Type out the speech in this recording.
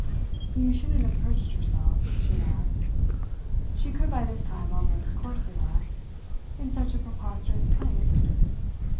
"You shouldn't have perched yourself," she laughed she could by this time almost coarsely laugh "in such a preposterous place!"